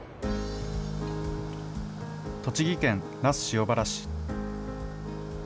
栃木県那須塩原市。